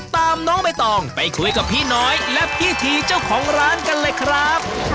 ตามน้องใบตองไปคุยกับพี่น้อยและพี่ทีเจ้าของร้านกันเลยครับ